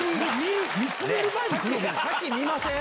先見ません？